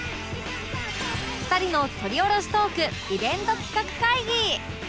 ２人の撮り下ろしトークイベント企画会議！